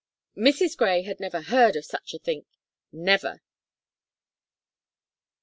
"Mrs. Gray had never heard of such a think never."